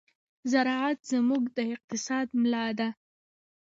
زراعت زموږ د اقتصاد ملا ده.